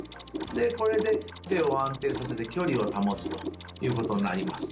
でこれで手を安定させて距離を保つということになります。